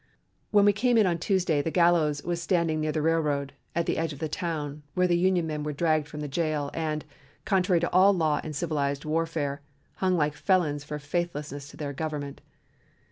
_' "When we came in on Tuesday the gallows was standing near the railroad, at the edge of the town, where the Union men were dragged from the jail and, contrary to all law and civilized warfare, hung like felons for faithfulness to their Government.